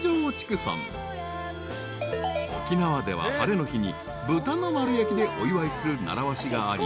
［沖縄では晴れの日に豚の丸焼きでお祝いする習わしがあり］